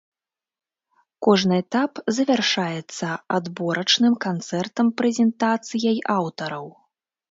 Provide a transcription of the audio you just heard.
Кожны этап завяршаецца адборачным канцэртам-прэзентацыяй аўтараў.